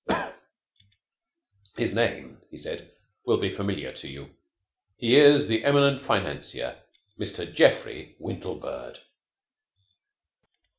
"His name," he said, "will be familiar to you. He is the eminent financier, Mr. Geoffrey Windlebird."